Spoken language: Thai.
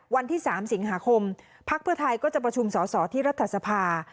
วันที่๓สิงหาคมพักเพื่อไทยก็จะประชุมสอสอที่รัฐสภา